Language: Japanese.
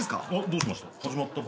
どうしました？